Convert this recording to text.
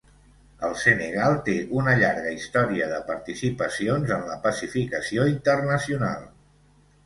El Senegal té una llarga història de participacions en la pacificació internacional.